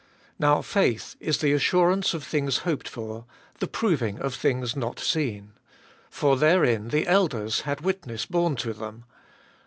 Now faith is the assurance of things hoped for, the proving of things not seen. 2. For therein the elders had witness borne to them.